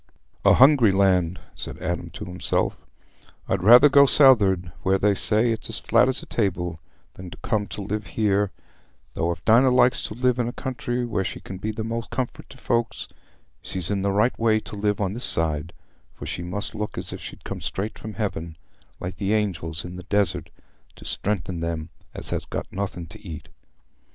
"A hungry land," said Adam to himself. "I'd rather go south'ard, where they say it's as flat as a table, than come to live here; though if Dinah likes to live in a country where she can be the most comfort to folks, she's i' the right to live o' this side; for she must look as if she'd come straight from heaven, like th' angels in the desert, to strengthen them as ha' got nothing t' eat."